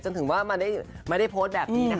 ถึงว่าไม่ได้โพสต์แบบนี้นะคะ